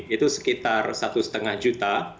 itu sekitar satu lima juta